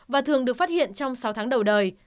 và thường được phát hiện trong sáu tháng đầu đời